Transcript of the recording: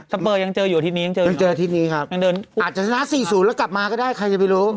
สเปอร์ยังเจออยู่อาทิตย์นี้ยังเจออยู่อาทิตย์นี้ครับอาจจะสนับ๔๐แล้วกลับมาก็ได้ใครจะไปรู้